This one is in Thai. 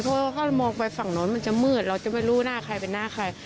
เพราะว่าถ้ามองไปฝั่งโน้นมันจะมืดเราจะไม่รู้หน้าใครเป็นหน้าใคร